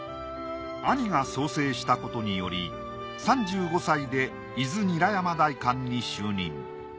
兄が早世したことにより３５歳で伊豆韮山代官に就任。